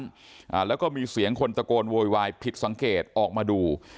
อ่าแล้วก็มีเสียงคนตะโกนโวยวายผิดสังเกตออกมาดู